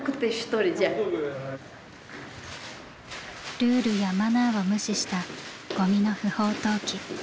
ルールやマナーを無視したゴミの不法投棄。